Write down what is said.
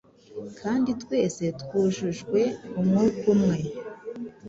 kandi twese twujujwe umwuka umwe.